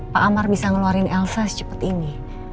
pak amar bisa ngeluarin elsa secepat ini